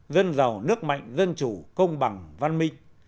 dân giàu nước mạnh dân chủ công bằng văn minh